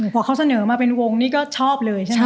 พอเขาเสนอมาเป็นวงนี่ก็ชอบเลยใช่ไหม